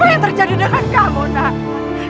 apa yang terjadi dengan kamu nak